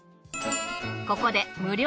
ここで無料